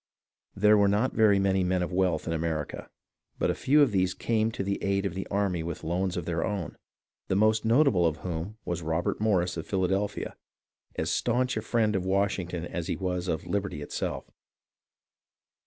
There were not very many men of wealth in America, but a few of these came to the aid of the army with loans of their own, the most notable of whom was Robert Morris of Philadelphia, as stanch a friend of Washing ton as he was of liberty itself.